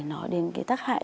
nó đến cái tác hại